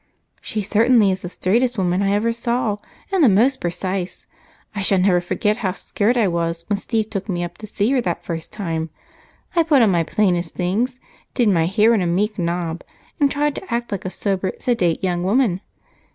"She certainly is the straightest woman I ever saw, and the most precise. I never shall forget how scared I was when Steve took me up to see her that first time. I put on all my plainest things, did my hair in a meek knob, and tried to act like a sober, sedate young woman.